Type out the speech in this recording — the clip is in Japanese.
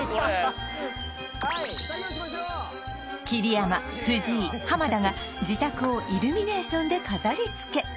桐山藤井田が自宅をイルミネーションで飾りつけ！